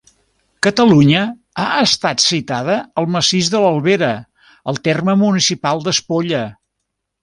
Catalunya, ha estat citada al Massís de l'Albera, al terme municipal d'Espolla.